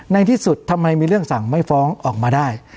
ในที่สุดทำไมมีเรื่องสั่งไม่ฟ้องออกมาได้